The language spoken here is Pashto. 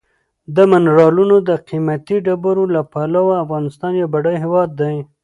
د منرالو او قیمتي ډبرو له پلوه افغانستان یو بډایه هېواد دی.